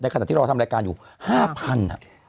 ขณะที่เราทำรายการอยู่๕๐๐บาท